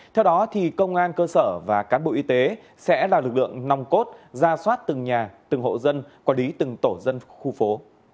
theo đó công an cơ sở và cán bộ y tế sẽ là lực lượng nòng cốt ra soát từng nhà từng hộ dân quản lý từng tổ dân khu phố